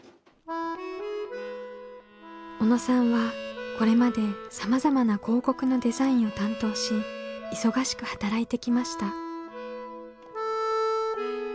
小野さんはこれまでさまざまな広告のデザインを担当し忙しく働いてきました。